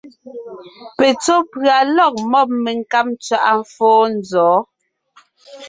Petsɔ́ pʉ̀a lɔ̂g mɔ́b menkáb ntswaʼá fóo nzɔ̌?